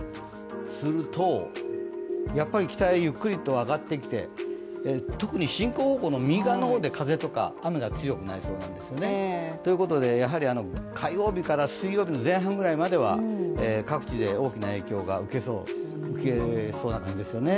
するとやはり北へゆっくりと上がってきて、特に進行方向の右側の方で風とか雨が強くなりそうなんですよね。ということでやはり火曜日から水曜日前半ぐらいまでは各地で大きな影響を受けそうな感じですよね。